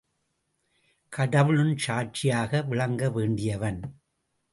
கடவுளின் சாட்சியாக விளங்க வேண்டியவன்!